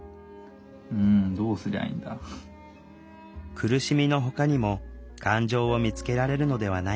苦しみのほかにも感情を見つけられるのではないか。